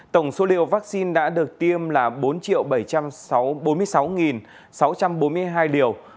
tổng số liều vaccine đã được tiêm là bốn bảy trăm bốn mươi sáu sáu trăm bốn mươi hai liều